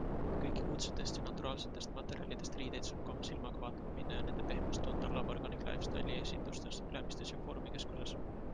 Kõiki uudsetest ja naturaalsetest materjalidest riideid saab ka oma silmaga vaatama minna ja nende pehmust tunda LAV ORGANIC LIFESTYLE esindustes Ülemiste ja Foorumi keskuses.